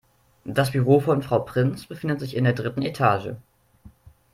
Das Büro von Frau Prinz befindet sich in der dritten Etage.